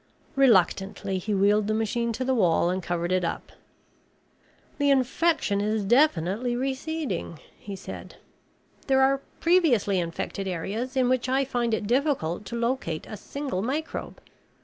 Reluctantly he wheeled the machine to the wall and covered it up. "The infection is definitely receding," he said. "There are previously infected areas in which I find it difficult to locate a single microbe.